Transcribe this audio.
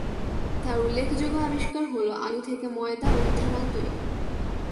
তার উল্লেখযোগ্য আবিষ্কার হল আলু থেকে ময়দা ও ইথানল তৈরি।